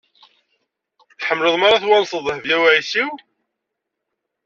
Tḥemmleḍ mi ara twanseḍ Dehbiya u Ɛisiw?